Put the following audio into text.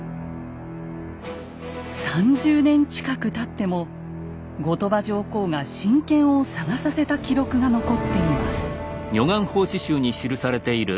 ３０年近くたっても後鳥羽上皇が神剣を捜させた記録が残っています。